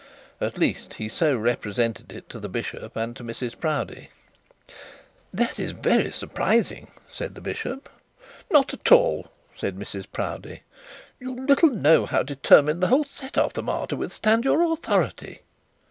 At least, he so represented it to the bishop and to Mrs Proudie. 'That is very surprising,' said the bishop. 'Not at all,' said Mrs Proudie; 'you little know how determined the whole set of them are to withstand your authority.'